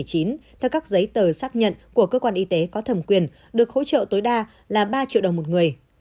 theo các giấy tờ xác nhận của cơ quan y tế có thẩm quyền được hỗ trợ tối đa là ba triệu đồng một người